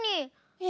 え！